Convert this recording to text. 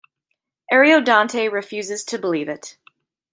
Ariodante refuses to believe it.